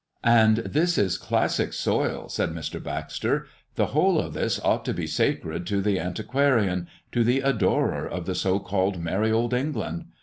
"And this is classic soil," said Mr. Baxter. "The whole of this ought to be sacred to the antiquarian, to the adorer of the so called merry old England.